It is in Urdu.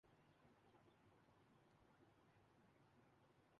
بنگلہ دیش کرکٹ بورڈ نے پھر پاکستانی کرکٹرز سے امید لگا لی